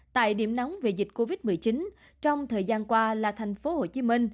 tại điểm nóng về dịch covid một mươi chín trong thời gian qua là tp hcm